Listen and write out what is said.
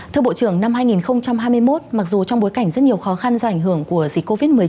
thưa bộ trưởng năm hai nghìn hai mươi một mặc dù trong bối cảnh rất nhiều khó khăn do ảnh hưởng của dịch covid một mươi chín